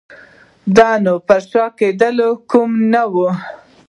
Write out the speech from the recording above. دا نه پر شا کېدونکي ګامونه وو.